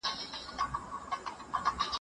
بې تجربې سړی د یو موټي واښو په شان دی.